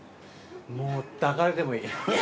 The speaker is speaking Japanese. もう抱かれてもいい。